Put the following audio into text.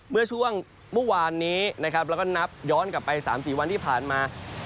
เมื่อช่วงเมื่อวานนี้นะครับแล้วก็นับย้อนกลับไป๓๔วันที่ผ่านมา